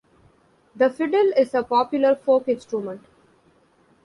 The fiddle is a popular folk instrument.